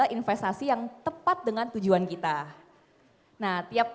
investasi yang tepat dengan tujuan kita nah